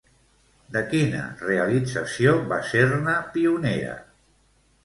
De quina realització va ser-ne pionera?